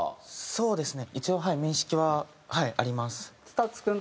そうですね。